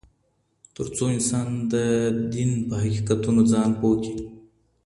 تر څو انسان د دين په حقيقتونو ځان پوه کړي.